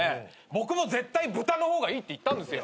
僕も絶対豚の方がいいって言ったんですよ。